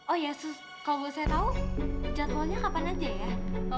oh ya kalau saya tahu jadwalnya kapan aja ya